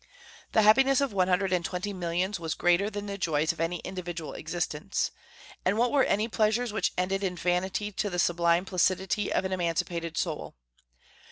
The happiness of one hundred and twenty millions was greater than the joys of any individual existence. And what were any pleasures which ended in vanity to the sublime placidity of an emancipated soul?